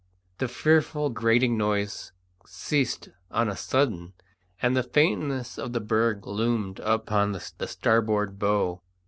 The fearful grating noise ceased on a sudden, and the faintness of the berg loomed upon the starboard bow.